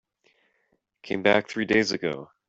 Came back three days ago.